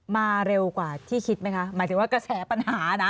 เร็วกว่าที่คิดไหมคะหมายถึงว่ากระแสปัญหานะ